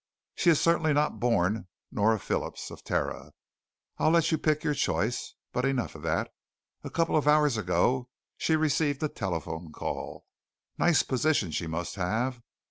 "She is certainly not born Nora Phillips of Terra. I'll let you pick your choice. But enough of that. A couple of hours ago she received a telephone call. Nice position she must have.